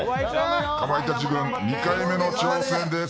かまいたち軍２回目の挑戦です。